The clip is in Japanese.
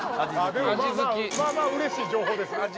でもまあまあまあまあうれしい情報ですね。